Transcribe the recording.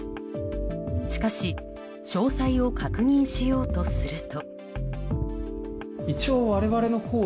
しかし、詳細を確認しようとすると。